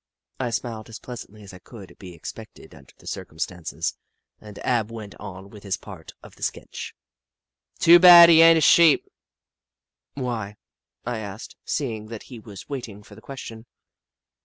I smiled as pleasantly as could be expected under the circumstances, and Ab went on with his part of the sketch. " Too bad he ain't a Sheep." *' Why ?" I asked, seeing that he was wait ing for the question.